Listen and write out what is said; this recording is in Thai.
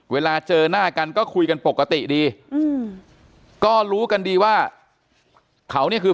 เวลาเจอหน้ากันก็คุยกันปกติดีอืมก็รู้กันดีว่าเขาเนี่ยคือ